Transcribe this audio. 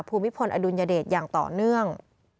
ภูมิพลอดุลยเดชอย่างต่อเนื่อง